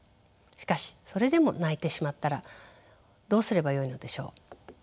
しかしそれでも泣いてしまったらどうすればよいのでしょう。